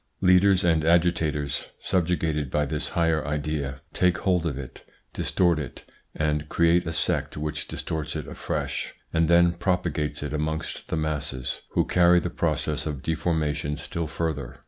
Leaders and agitators, subjugated by this higher idea, take hold of it, distort it and create a sect which distorts it afresh, and then propagates it amongst the masses, who carry the process of deformation still further.